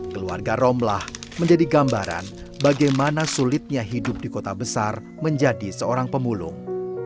keluarga romlah menjadi gambaran bagaimana sulitnya hidup di kota besar menjadi seorang pemulung